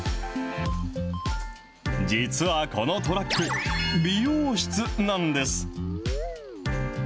実はこのトラック、美容室なんです。